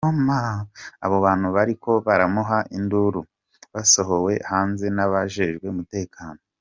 Abo bantu bariko baramuha induru basohowe hanze n’abajejwe umutekano.